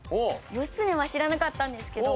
義経は知らなかったんですけど。